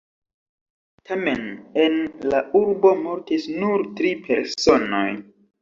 Tamen en la urbo mortis nur tri personoj.